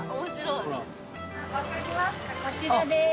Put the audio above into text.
こちらです。